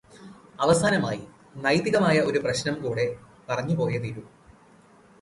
അവസാനമായി, നൈതികമായ ഒരു പ്രശ്നം കൂടി പറഞ്ഞു പോയെ തീരൂ.